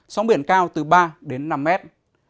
sóng biển cao từ ba đến năm mét